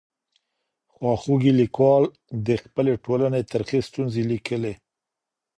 خواخوږي ليکوال د خپلي ټولني ترخې ستونزې ليکلې.